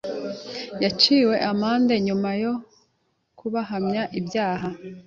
yaciwe amande nyuma yo kubahamya ibyaha